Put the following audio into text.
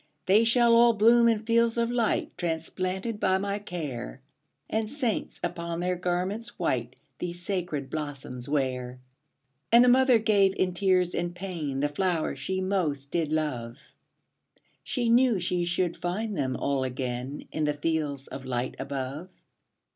``They shall all bloom in fields of light, Transplanted by my care, And saints, upon their garments white, These sacred blossoms wear.'' And the mother gave, in tears and pain, The flowers she most did love; She knew she should find them all again In the fields of light above.